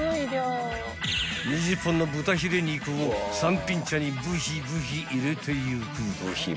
［２０本の豚ヒレ肉をさんぴん茶にブヒブヒ入れていく］